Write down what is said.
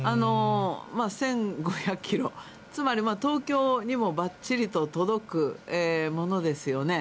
１５００キロ、つまり、東京にもばっちりと届くものですよね。